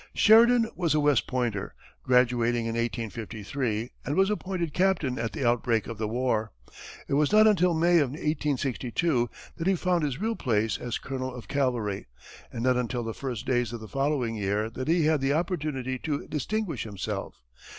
Sheridan was a West Pointer, graduating in 1853, and was appointed captain at the outbreak of the war. It was not until May of 1862 that he found his real place as colonel of cavalry, and not until the first days of the following year that he had the opportunity to distinguish himself.